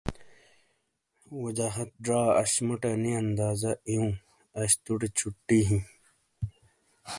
وجاہت زا اش موٹے انی اندازہ ایوں اش توٹے چھٹی ہِیں۔